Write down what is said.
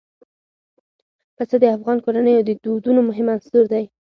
پسه د افغان کورنیو د دودونو مهم عنصر دی.